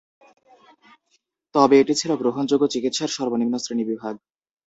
তবে এটি ছিল গ্রহণযোগ্য চিকিৎসার সর্বনিম্ন শ্রেণীবিভাগ।